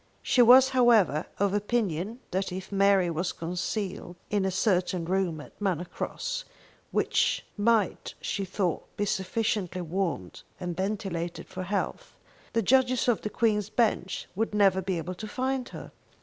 She was, however, of opinion that if Mary was concealed in a certain room at Manor Cross, which might she thought be sufficiently warmed and ventilated for health, the judges of the Queen's Bench would never be able to find her.